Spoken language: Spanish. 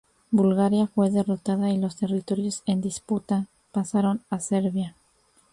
Bulgaria fue derrotada y los territorios en disputa pasaron a Serbia.